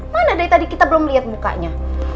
mana dari tadi kita belum lihat mukanya